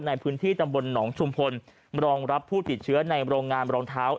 ในพื้นที่ตำบลหนองชุมพลรองรับผู้ติดเชื้อในโรงงานรองเท้า